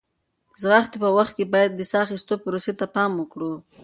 د ځغاستې په وخت کې باید د ساه اخیستو پروسې ته پام وکړو.